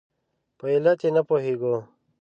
په علت یې نه پوهېږو.